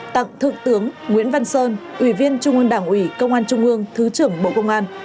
tặng thượng tướng nguyễn văn sơn ủy viên trung ương đảng ủy công an trung ương thứ trưởng bộ công an